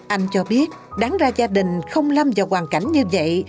anh cho biết đáng ra gia đình không lâm vào hoàn cảnh như vậy